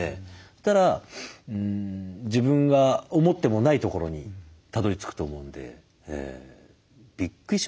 そしたら自分が思ってもないところにたどり着くと思うんで。